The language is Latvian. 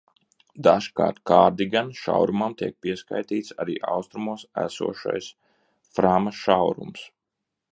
Dažkārt Kārdigana šaurumam tiek pieskaitīts arī austrumos esošais Frama šaurums.